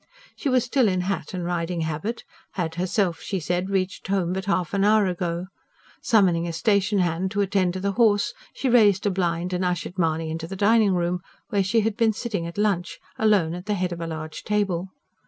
She was still in hat and riding habit; had herself, she said, reached home but half an hour ago. Summoning a station hand to attend to the horse, she raised a blind and ushered Mahony into the dining room, where she had been sitting at lunch, alone at the head of a large table.